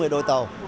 sáu mươi đôi tàu